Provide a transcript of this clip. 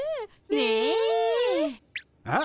ねえ！えっ？